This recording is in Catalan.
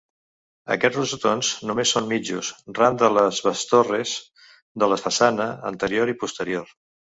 Aquests rosetons només són mitjos ran de les bestorres de la façana anterior i posterior.